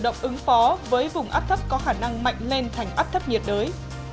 động ứng phó với vùng áp thấp có khả năng mạnh lên thành áp thấp nhiệt đới